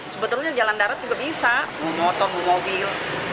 sebetulnya jalan darat juga bisa mau motor mau mobil